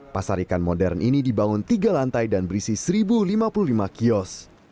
pasar ikan modern ini dibangun tiga lantai dan berisi satu lima puluh lima kios